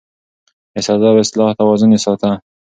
د سزا او اصلاح توازن يې ساته.